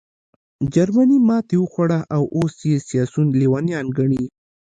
جرمني ماتې وخوړه او اوس یې سیاسیون لېونیان ګڼې